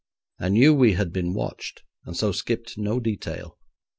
I knew we had been watched, and so skipped no detail.